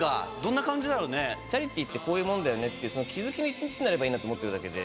チャリティーってこういうものだよねって、気付きの一日になればいいなと思ってるだけで。